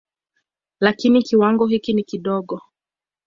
Lakini kiwango hiki ni kidogo.